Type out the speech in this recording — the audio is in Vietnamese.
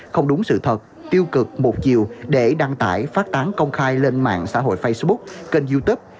không đúng sự thật tiêu cực một chiều để đăng tải phát tán công khai lên mạng xã hội facebook kênh youtube